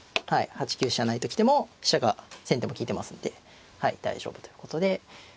８九飛車成と来ても飛車が先手も利いてますので大丈夫ということで。